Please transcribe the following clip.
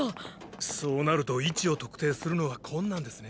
そうなると位置を特定するのは困難ですね。